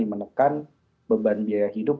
menekan beban biaya hidup